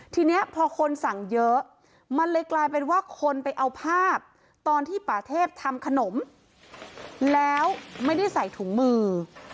ทีนี้พอคนสั่งเยอะมันเลยกลายเป็นว่าคนไปเอาภาพตอนที่ป่าเทพทำขนมแล้วไม่ได้ใส่ถุงมือ